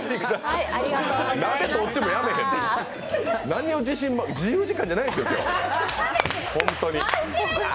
何を自由時間じゃないですよ今日、本当に。